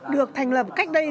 được thành lập cách đây rồi